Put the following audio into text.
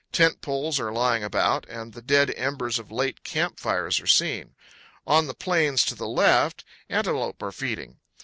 Tent poles are lying about, and the dead embers of late camp fires are seen. On the plains to the left, antelope are feeding.